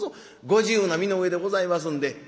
ご自由な身の上でございますんで」。